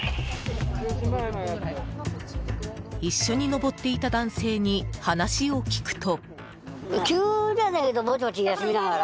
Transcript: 一緒に登っていた男性に話を聞くと。